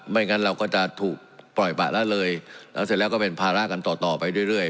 ไม่อย่างงั้นเราก็จะถูกปล่อยบัตรละเลยแล้วเสร็จแล้วก็เป็นภาระกันต่อไปเรื่อย